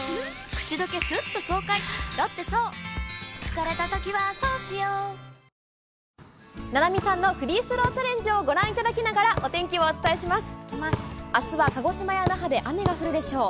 カロカロカロカロカロリミット菜波さんのフリースローチャレンジをご覧いただきながらお天気をお伝えします。